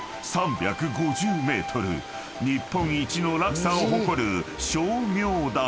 ［日本一の落差を誇る称名滝］